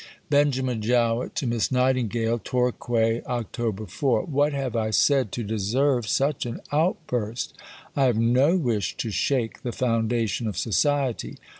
(Benjamin Jowett to Miss Nightingale.) TORQUAY, Oct. 4.... What have I said to deserve such an outburst? I have no wish to shake the foundation of Society.